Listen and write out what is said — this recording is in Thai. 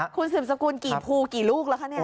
คุณสืบสกุลกี่ภูกี่ลูกแล้วคะเนี่ย